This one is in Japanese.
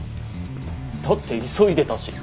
だって急いでたし。